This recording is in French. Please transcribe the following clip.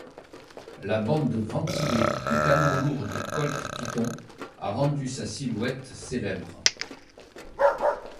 La bande ventilée du canon lourd du Colt Python a rendu sa silhouette célèbre.